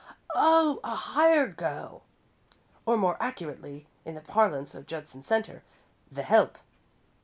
"Oh! A hired girl, or more accurately, in the parlance of Judson Centre, the help.